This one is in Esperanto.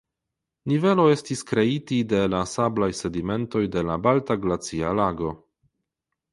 Nivelo estis kreiti de la sablaj sedimentoj de la Balta Glacia Lago.